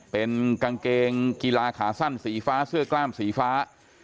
เป็นกางเกงกีฬาขาสั้นสีฟ้าเสื้อกล้ามสีฟ้า